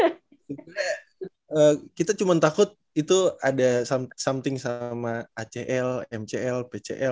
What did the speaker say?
sebenarnya kita cuma takut itu ada something sama acl mcl pcl